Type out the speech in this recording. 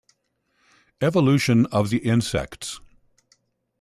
Evolution of the Insects.